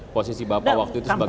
posisi bapak waktu itu sebagai